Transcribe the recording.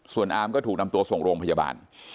ส่วนอาร์มก็ถูกนำตัวส่งโรงพยาบาล